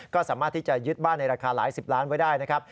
ก็สามารถที่จะยึดบ้านในราคาหลายสิบล้านไว้ได้นะครับ